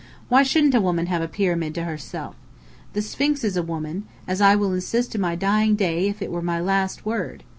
Why shouldn't a woman have a Pyramid to herself? The Sphinx is a woman, as I will insist to my dying day, if it were my last word!